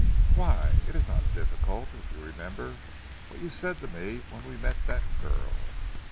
"Why? It is not difficult if you remember what you said to me when we met that girl.